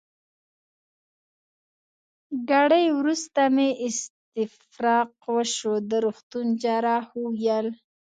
ګړی وروسته مې استفراق وشو، د روغتون جراح وویل.